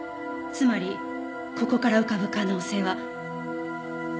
つまりここから浮かぶ可能性は。